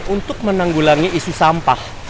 untuk menanggulangi isu sampah